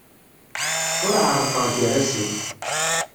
Ur ɛerrqeɣ gar-asent.